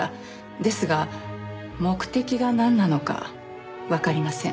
ですが目的がなんなのかわかりません。